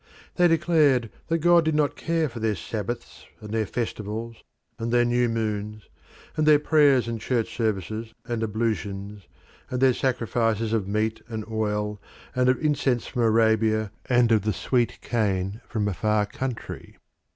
They declared that God did not care for their Sabbaths and their festivals, and their new moons, and their prayers and church services and ablutions, and their sacrifices of meat and oil and of incense from Arabia and of the sweet cane from a far country.